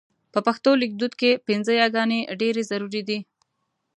په پښتو لیکدود کې پينځه یې ګانې ډېرې ضرور دي.